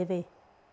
hẹn gặp lại